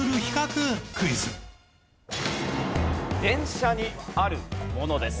電車にあるものです。